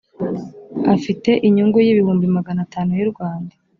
afite inyungu y’ibihumbi magana atanu y’u rwanda